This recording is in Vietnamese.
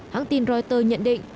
hãng tin reuters nhận định